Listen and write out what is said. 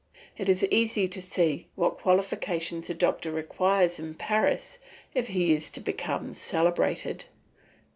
It is easy to see what qualifications a doctor requires in Paris if he is to become celebrated.